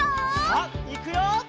さあいくよ！